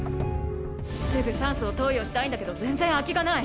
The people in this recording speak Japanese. すぐ酸素を投与したいんだけど全然空きがない。